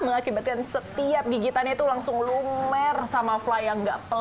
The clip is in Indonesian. mengakibatkan setiap gigitannya itu langsung lumer sama fly yang gak pelan